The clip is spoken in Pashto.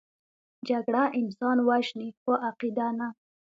جګړه انسان وژني، خو عقیده نه